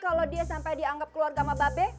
kalo dia sampai dianggap keluarga sama babe